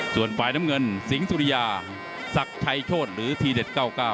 ส่วนฝ่ายน้ำเงินสิงสุริยาศักดิ์ชัยโชธหรือทีเด็ด๙๙